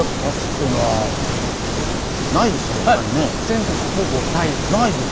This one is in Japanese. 全国ほぼないです。